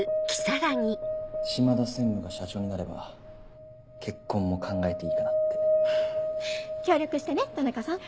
島田専務が社長になれば結婚も考えていいかなって協力してね田中さん。